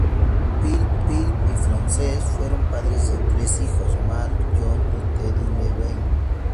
Philip y Frances, fueron padres de tres hijos: Mark, John y Teddy Levine.